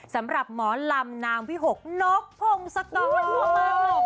สำหรับหมอลำนางวิหกนกพงศ์สกร